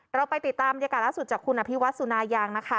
เราไปติดตามบรรยากาศล่าสุดจากคุณอภิวัตสุนายางนะคะ